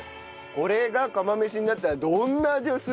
これが釜飯になったらどんな味をするのか？